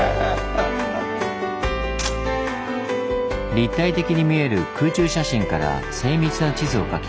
立体的に見える空中写真から精密な地図を描き